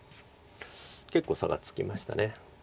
結構差がつきました。